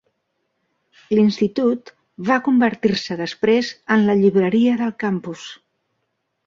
L'institut va convertir-se després en la Llibreria del Campus.